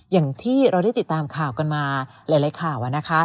อย่างที่เราได้ติดตามข่าวกันมาหลายข่าวนะคะ